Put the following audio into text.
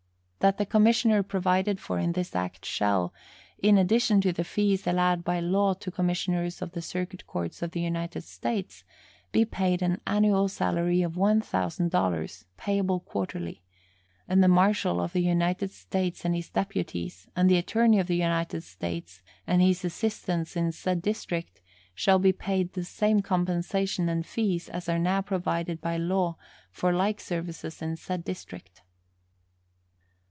That the commissioner provided for in this Act shall, in addition to the fees allowed by law to commissioners of the circuit courts of the United States, be paid an annual salary of one thousand dollars, payable quarterly, and the marshal of the United States and his deputies, and the attorney of the United States and his assistants in said district, shall be paid the same compensation and fees as are now provided by law for like services in said district.